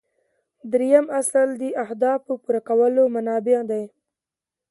دریم اصل د اهدافو پوره کولو منابع دي.